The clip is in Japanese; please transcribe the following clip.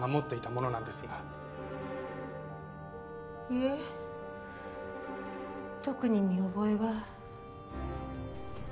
いえ特に見覚えは。